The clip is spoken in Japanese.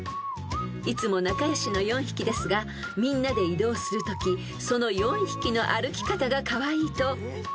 ［いつも仲良しの４匹ですがみんなで移動するときその４匹の歩き方がカワイイと］